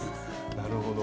なるほど。